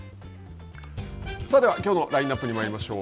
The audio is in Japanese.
では、きょうのラインナップにまいりましょう。